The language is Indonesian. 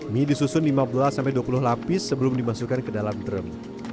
mie disusun lima belas dua puluh lapis sebelum dimasukkan ke dalam drum